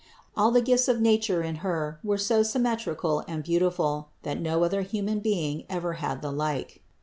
All the gifts of nature in Her were so symmetrical and beautiful, that no other human being ever had the like.